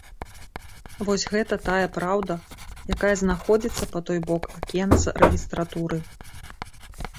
Вось гэта тая праўда, якая знаходзіцца па той бок акенца рэгістратуры.